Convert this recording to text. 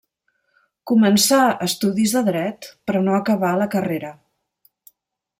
Començà estudis de dret, però no acabà la carrera.